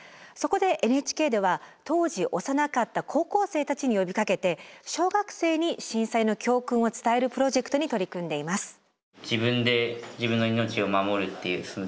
そこでＮＨＫでは当時幼かった高校生たちに呼びかけて小学生に震災の教訓を伝えるプロジェクトに取り組んでいます。